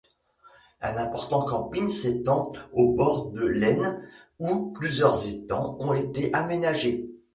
Un important camping s'étend au bord de l'Aisne où plusieurs étangs ont été aménagés.